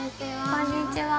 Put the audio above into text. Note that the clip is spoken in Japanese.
◆こんにちは